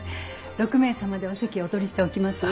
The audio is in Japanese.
６名様でお席をお取りしておきます。